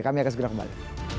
kami akan segera kembali